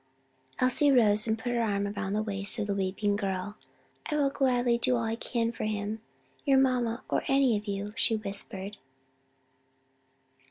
Elsie rose and put her arm about the waist of the weeping girl. "I will gladly do all I can for him, your mamma or any of you," she whispered.